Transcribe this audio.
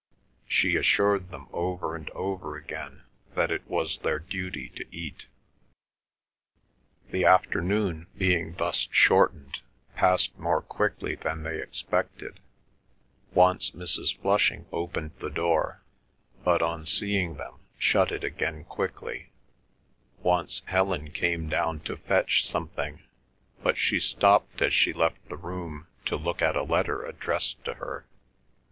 She assured them over and over again that it was their duty to eat. The afternoon, being thus shortened, passed more quickly than they expected. Once Mrs. Flushing opened the door, but on seeing them shut it again quickly; once Helen came down to fetch something, but she stopped as she left the room to look at a letter addressed to her.